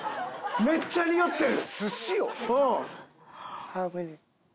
めっちゃ匂ってる！